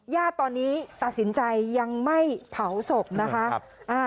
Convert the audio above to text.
ญาติตอนนี้ตัดสินใจยังไม่เผาศพนะคะ